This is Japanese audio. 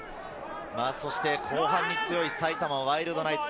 そして後半に強い埼玉ワイルドナイツ。